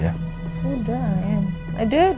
udah i am i did